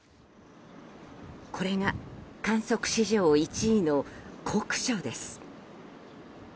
これが観測史上１位の酷暑です。